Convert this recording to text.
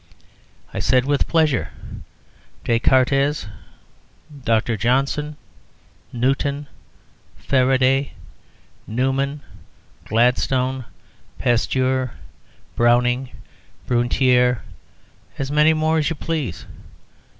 I said, "With pleasure. Descartes, Dr. Johnson, Newton, Faraday, Newman, Gladstone, Pasteur, Browning, Brunetiere as many more as you please."